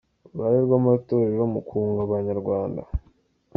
Uruhare rw’ Amatorero mu kunga Abanyarwanda.